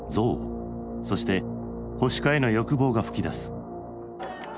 そして保守化への欲望が噴き出す。